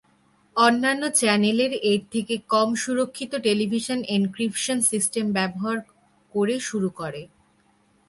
অন্যান্য চ্যানেলের এর থেকে কম সুরক্ষিত টেলিভিশন এনক্রিপশন সিস্টেম ব্যবহার করে শুরু করে।